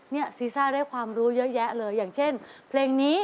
พี่แจ๊ดจ้ะ